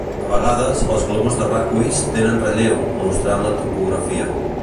A vegades, els globus terraqüis tenen relleu, mostrant la topografia.